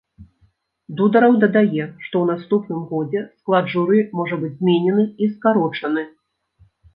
Дудараў дадае, што ў наступным годзе склад журы можа быць зменены і скарочаны.